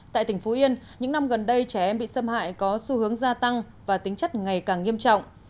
tại tỉnh phú yên những năm gần đây trẻ em bị xâm hại có xu hướng gia tăng và tính chất ngày càng nghiêm trọng